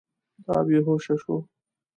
دا بې هوشه سو.